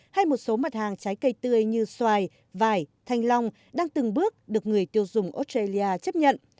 hay một số mặt hàng trái cây tươi như xoài vải thanh long đang từng bước được người tiêu dùng australia chấp nhận